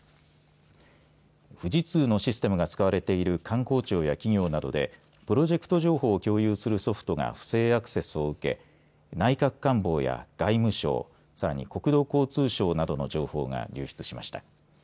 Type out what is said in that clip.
富士通のシステムが使われている官公庁や企業などでプロジェクト情報を共有するソフトが不正アクセスを受け内閣官房や外務省さらに国土交通省などの情報が流出しました。